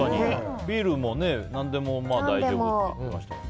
ビールもね、何でも大丈夫って。